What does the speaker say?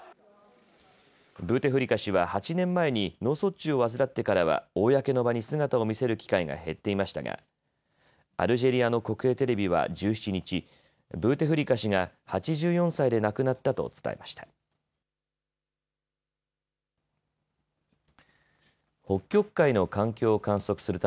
ブーテフリカ氏は８年前に脳卒中を患ってからは公の場に姿を見せる機会が減っていましたがアルジェリアの国営テレビは１７日、ブーテフリカ氏が８４歳で亡くなったと伝えました。